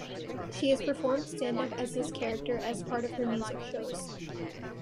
She has performed stand-up as this character as part of her music shows.